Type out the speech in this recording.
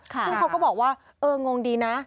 ซึ่งเขาก็บอกว่าเอองงดีนะ